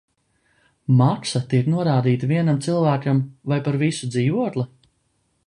Maksa tiek norādīta vienam cilvēkam vai par visu dzīvokli?